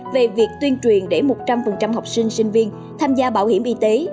về việc tuyên truyền để một trăm linh học sinh sinh viên tham gia bảo hiểm y tế